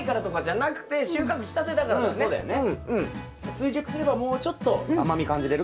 追熟すればもうちょっと甘み感じれるかもしれない。